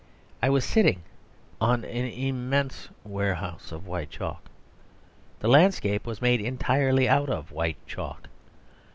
I was sitting on an immense warehouse of white chalk. The landscape was made entirely out of white chalk.